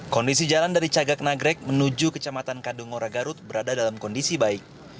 kondisi jalan dari cagak nagrek menuju kecamatan kadungora garut berada dalam kondisi baik